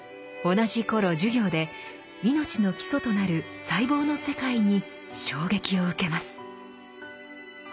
同じ頃授業で命の基礎となる細胞の世界に衝撃を受けます。